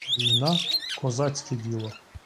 Війна — козацьке діло.